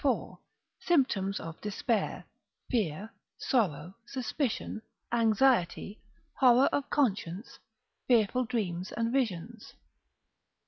IV.—Symptoms of Despair, Fear, Sorrow, Suspicion, Anxiety, Horror of Conscience, Fearful Dreams and Visions.